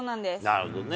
なるほどね。